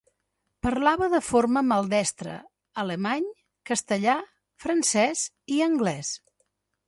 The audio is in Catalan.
Parlava de forma maldestre alemany, castellà, francès i anglès.